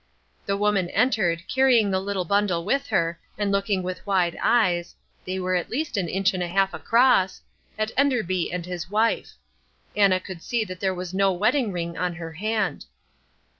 The woman entered, carrying the little bundle with her, and looking with wide eyes (they were at least an inch and a half across) at Enderby and his wife. Anna could see that there was no wedding ring on her hand.